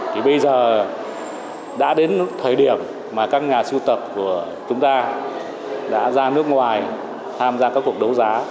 thì bây giờ đã đến thời điểm mà các nhà sưu tập của chúng ta đã ra nước ngoài tham gia các cuộc đấu giá